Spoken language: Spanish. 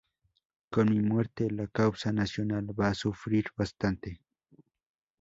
Con mi muerte la causa nacional va a sufrir bastante".